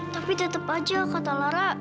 tapi tetep aja kata lara